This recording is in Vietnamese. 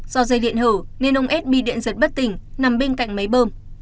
do dây điện hở nên ông s bị điện giật bất tỉnh nằm bên cạnh máy bơm